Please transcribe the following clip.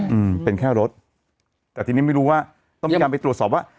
อืมเป็นแค่รถแต่ทีนี้ไม่รู้ว่าต้องมีการไปตรวจสอบว่า